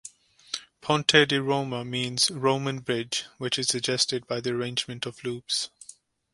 Ponte di Roma means "Roman Bridge" which is suggested by the arrangement of loops.